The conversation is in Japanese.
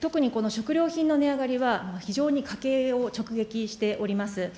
特にこの食料品の値上がりは、非常に家計を直撃しております。